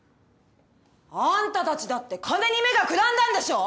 あんたたちだって金に目がくらんだんでしょ。